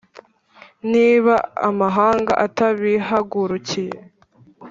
niba amahanga atabihagurukiye,